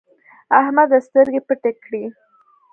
احمده سترګې پټې کړې.